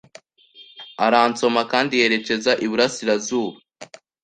aransoma Kandi yerekeza iburasirazuba